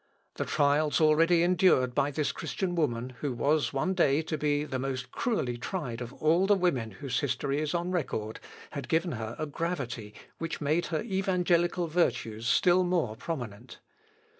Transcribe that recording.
The trials already endured by this Christian woman, who was one day to be the most cruelly tried of all the women whose history is on record, had given her a gravity which made her evangelical virtues still more prominent.